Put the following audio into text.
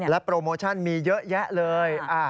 โปรโมชั่นมีเยอะแยะเลย